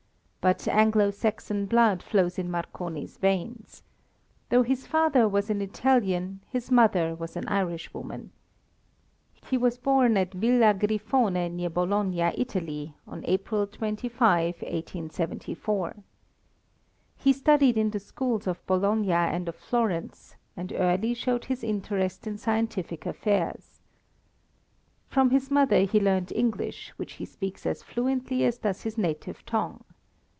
But Anglo Saxon blood flows in Marconi's veins. Though his father was an Italian, his mother was an Irishwoman. He was born at Villa Griffone near Bologna, Italy, on April 25, 1874. He studied in the schools of Bologna and of Florence, and early showed his interest in scientific affairs. From his mother he learned English, which he speaks as fluently as he does his native tongue.